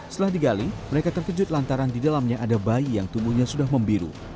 setelah digali mereka terkejut lantaran di dalamnya ada bayi yang tubuhnya sudah membiru